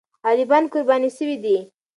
غریبان قرباني سوي دي.